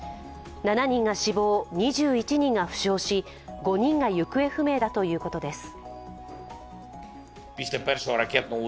７人が死亡、２１人が負傷し５人が行方不明だということです。